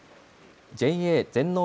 ＪＡ全農